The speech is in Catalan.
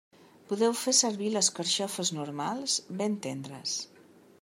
Podeu fer servir les carxofes normals, ben tendres.